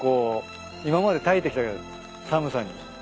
今まで耐えてきた寒さに。